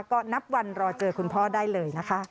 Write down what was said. ก็นับวันรอเจอคุณพ่อได้เลยนะคะ